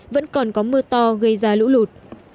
vẫn còn có mưa to gây ra lũ lụt